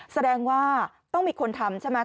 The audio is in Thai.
แสดงว่าต้องมีคนทำใช่ไหม